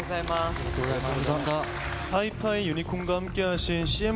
ありがとうございます。